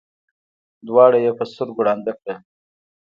دواړه یې په سترګو ړانده کړل.